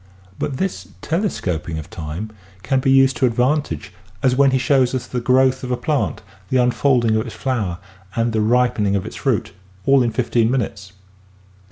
But this telescoping of time can be used to advantage as when he shows us the growth of a plant, the unfolding of its flower and the ripening of its fruit, all in fifteen minutes.